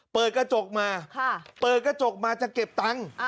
เปิดกระจกมาจะเก็บตังค์